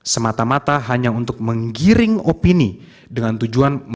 semata mata hanya untuk menggiring opini dengan tujuan